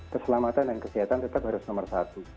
keselamatan dan kesehatan tetap harus nomor satu